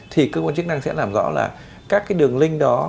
thì cơ quan chức năng sẽ làm rõ là các đường linh đó